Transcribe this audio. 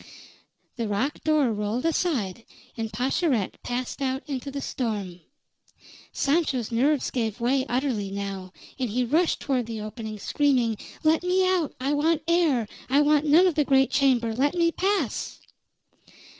The rock door rolled aside, and Pascherette passed out into the storm. Sancho's nerves gave way utterly now, and he rushed toward the opening, screaming: "Let me out! I want air! I want none of the great chamber! Let me pass!"